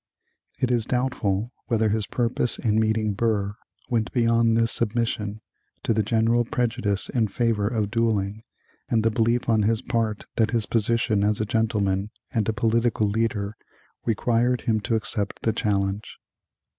It is doubtful whether his purpose in meeting Burr went beyond this submission to the general prejudice in favor of dueling and the belief on his part that his position as a gentleman and a political leader required him to accept the challenge.